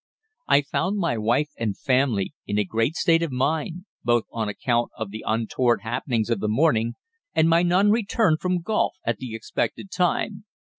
"I found my wife and family in a great state of mind, both on account of the untoward happenings of the morning and my non return from golf at the expected time.